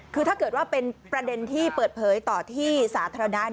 คือถ้าเกิดว่าเป็นประเด็นที่เปิดเผยต่อที่สาธารณะ